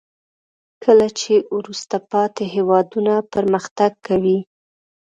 کله چې وروسته پاتې هیوادونه پرمختګ کوي.